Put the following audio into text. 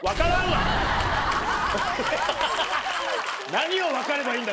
何を分かればいいんだ？